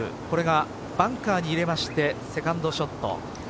これがバンカーに入れましてセカンドショット。